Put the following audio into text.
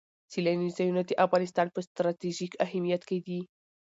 سیلاني ځایونه د افغانستان په ستراتیژیک اهمیت کې دي.